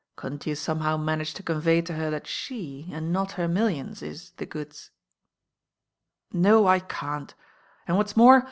Couldnt you somehow manage to convey to her that she, and not her millions, is 'the goods' ?" No, I can't, and what's more.